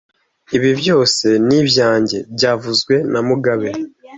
Ibi byose ni ibyanjye byavuzwe na mugabe